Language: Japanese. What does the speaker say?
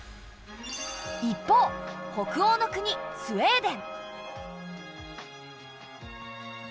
一方北欧の国スウェーデン。